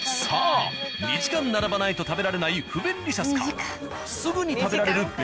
さあ２時間並ばないと食べられない不便利シャスかすぐに食べられる